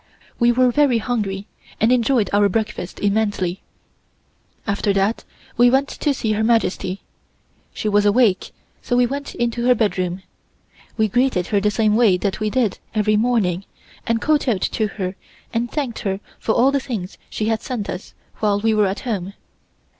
We were very hungry, and enjoyed our breakfast immensely. After that we went to see Her Majesty. She was awake, so we went into her bedroom. We greeted her the same way that we did every morning, and kowtowed to her and thanked her for all the things she had sent us while we were at home.